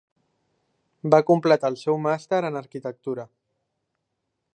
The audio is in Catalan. Va completar el seu màster en arquitectura.